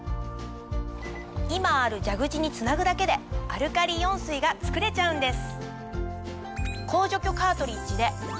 今ある蛇口につなぐだけでアルカリイオン水が作れちゃうんです。